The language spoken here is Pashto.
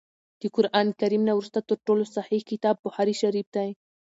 د قران کريم نه وروسته تر ټولو صحيح کتاب بخاري شريف دی